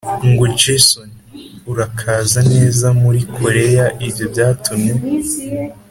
ngo Jason urakaza neza muri Koreya Ibyo byatumye